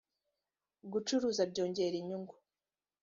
gucuruza byongera inyungu.